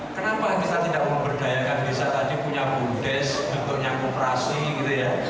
kenapa kita tidak mau berdayakan desa tadi punya budes bentuknya kooperasi gitu ya